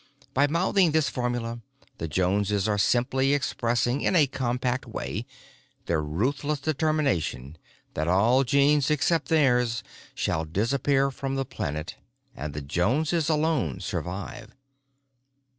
By mouthing this formula, the Joneses are simply expressing in a compact way their ruthless determination that all genes except theirs shall disappear from the planet and the Joneses alone survive.